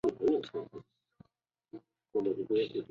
汝阴郡。